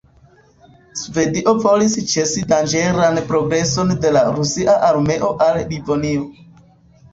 Svedio volis ĉesi danĝeran progreson de la rusia armeo al Livonio.